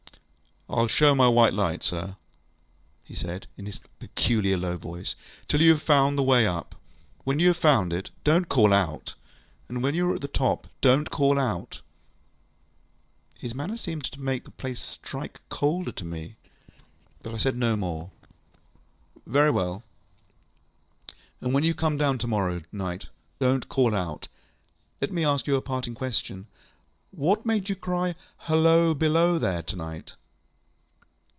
ŌĆ£IŌĆÖll show my white light, sir, ŌĆØ he said, in his peculiar low voice, ŌĆ£till you have found the way up. When you have found it, donŌĆÖt call out! And when you are at the top, donŌĆÖt call out! ŌĆØ His manner seemed to make the place strike colder to me, but I said no more than, ŌĆ£Very well. ŌĆØ ŌĆ£And when you come down to morrow night, donŌĆÖt call out! Let me ask you a parting question. What made you cry, ŌĆśHalloa! Below there! ŌĆÖ to night?